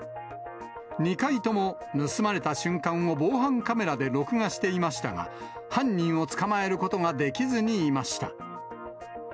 ２回とも盗まれた瞬間を防犯カメラで録画していましたが、犯人を捕まえることができずにいました。